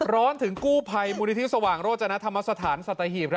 ร้อนถึงกู้ภัยมูลนิธิสว่างโรจนธรรมสถานสัตหีบ